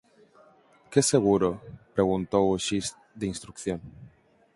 Que seguro? —preguntou o xuíz de instrución.